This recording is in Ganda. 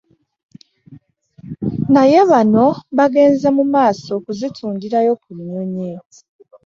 Naye bano baagenze mu maaso okuzitundirayo ku nnyonyi